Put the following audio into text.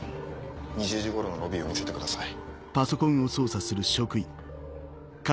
２０時頃のロビーを見せてください。